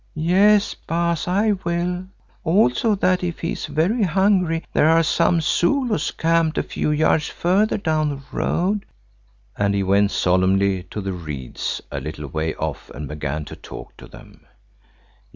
"Yes, Baas, I will; also that if he is very hungry, there are some Zulus camped a few yards further down the road," and he went solemnly to the reeds a little way off and began to talk to them.